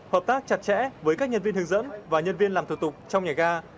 hợp tác chặt chẽ với các nhân viên hướng dẫn và nhân viên làm thủ tục trong nhà ga